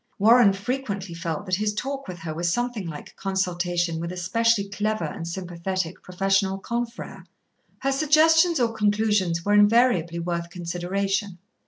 Warren frequently felt that his talk with her was something like consultation with a specially clever and sympathetic professional confrère. Her suggestions or conclusions were invariably worth consideration.